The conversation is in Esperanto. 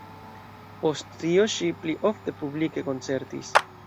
Post tio ŝi pli ofte publike koncertis.